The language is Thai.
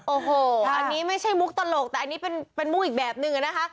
โอ้โหอันนี้ไม่ใช่มุกตลกแต่อันนี้เป็นมุกอีกแบบนึงอะนะคะ